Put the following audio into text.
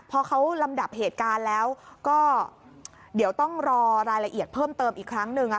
พอเขาลำดับเหตุการณ์แล้วก็เดี๋ยวต้องรอรายละเอียดเพิ่มเติมอีกครั้งหนึ่ง